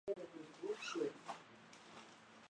最高检检察长张军强调